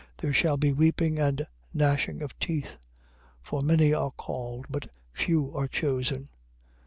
There shall be weeping and gnashing of teeth. 22:14. For many are called, but few are chosen.